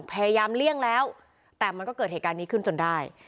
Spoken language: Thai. เลี่ยงแล้วแต่มันก็เกิดเหตุการณ์นี้ขึ้นจนได้